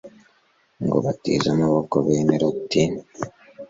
ngo batize amaboko bene loti